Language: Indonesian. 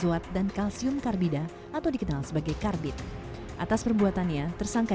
yaitu kalsium karbida dan kemudian dawat atau jomble hasil buatan tersebut